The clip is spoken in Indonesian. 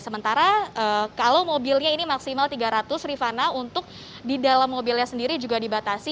sementara kalau mobilnya ini maksimal tiga ratus rifana untuk di dalam mobilnya sendiri juga dibatasi